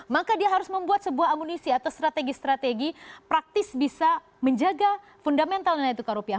maka dia harus membuat sebuah amunisi atau strategi strategi praktis bisa menjaga fundamental nilai tukar rupiah